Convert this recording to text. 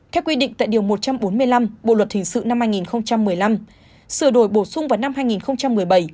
theo quy định tại điều một trăm bốn mươi năm bộ luật hình sự năm hai nghìn một mươi năm sửa đổi bổ sung vào năm hai nghìn một mươi bảy